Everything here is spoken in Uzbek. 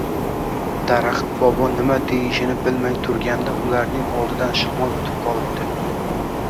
Daraxt bobo nima deyishini bilmay turganda ularning oldidan shamol o‘tib qolibdi